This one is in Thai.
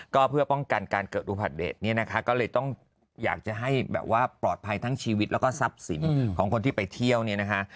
ก็เพื่อป้องกันการเกิดอุบัติเหตุเนี่ยนะคะก็เลยต้องอยากจะให้แบบว่าปลอดภัยทั้งชีวิตแล้วก็ทรัพย์สินของคนที่ไปเที่ยวเนี่ยนะคะ